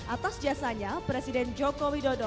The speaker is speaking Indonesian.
atas jasanya presiden joko widodo